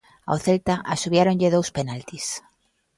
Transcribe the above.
Ao Celta asubiáronlle dous penaltis.